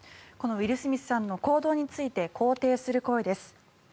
このウィル・スミスさんの行動について肯定する声です。